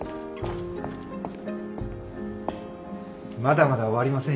まだまだ終わりませんよ